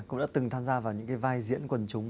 cũng đã từng tham gia vào những cái vai diễn quần chúng